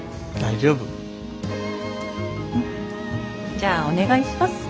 じゃあお願いします。